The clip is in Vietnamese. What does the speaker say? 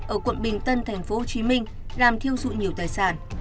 ở quận bình tân thành phố hồ chí minh làm thiêu dụi nhiều tài sản